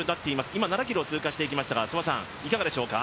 今７ｋｍを通過してきましたが、いかがでしょうか。